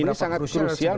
ini sangat krusial